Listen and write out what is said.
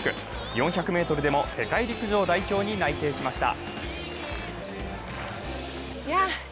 ４００ｍでも世界陸上代表に内定しました。